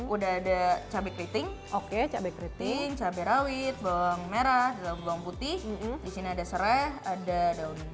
udah ada cabe keriting oke mari ronit bawang merah daun bawang putih di sini ada serai ada daun